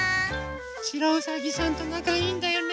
しろうさぎさんとなかいいんだよね。